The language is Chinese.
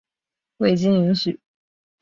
未经允许